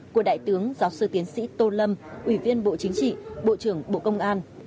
của đại tướng giáo sư tiến sĩ tô lâm ủy viên bộ chính trị bộ trưởng bộ công an